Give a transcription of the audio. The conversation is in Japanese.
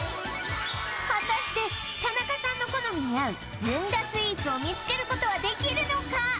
果たして田中さんの好みに合うずんだスイーツを見つけることはできるのか？